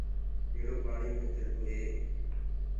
ٻيڙو پآڻيو مي تِردو هي۔